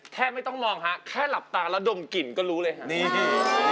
ไม่ต้องมองฮะแค่หลับตาแล้วดมกลิ่นก็รู้เลยฮะนี่